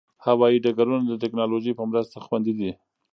هوايي ډګرونه د ټکنالوژۍ په مرسته خوندي دي.